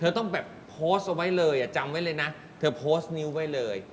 ต้องแบบโพสต์เอาไว้เลยจำไว้เลยนะเธอโพสต์นี้ไว้เลย